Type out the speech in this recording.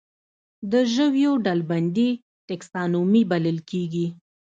د ژویو ډلبندي ټکسانومي بلل کیږي